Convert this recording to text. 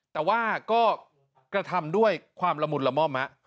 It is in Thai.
แต่ว่าก็กระทำด้วยความละมุนละม่อม